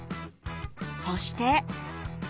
そして。